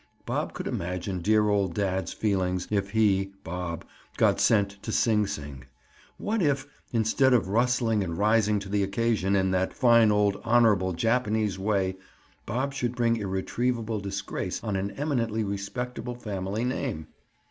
Bob could imagine dear old dad's feelings, if he (Bob) got sent to Sing Sing. What if, instead of rustling and rising to the occasion, in that fine, old honorable Japanese way, Bob should bring irretrievable disgrace on an eminently respectable family name?